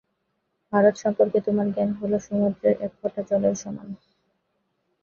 ভারত সম্পর্কে তোমার জ্ঞান হলো সমুদ্রের এক ফোঁটা জলের সমান।